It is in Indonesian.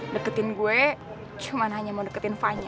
deketin gue cuman hanya mau deketin vanya